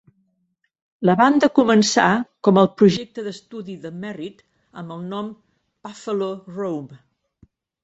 La banda començà com al projecte d'estudi de Merritt, amb el nom Buffalo Rome.